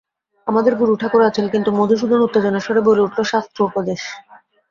আমাদের গুরুঠাকুর আছেন, কিন্তু– মধুসূদন উত্তেজনার স্বরে বলে উঠল, শাস্ত্র-উপদেশ!